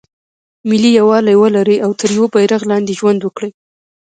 ملي یووالی ولري او تر یوه بیرغ لاندې ژوند وکړي.